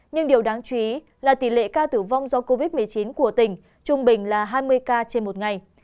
nhưng điều đáng chú ý là tỷ lệ ca tử vong do covid một mươi chín của tỉnh trung bình là hai mươi ca trên một ngày